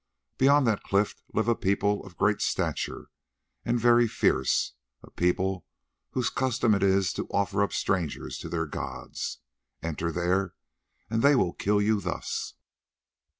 Beyond that cliff live a people of great stature, and very fierce; a people whose custom it is to offer up strangers to their gods. Enter there, and they will kill you thus."